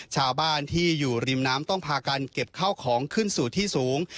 ชาวบ้านที่อยู่ริมน้ำต้องพากันเก็บข้าวของขึ้นสู่ที่สูง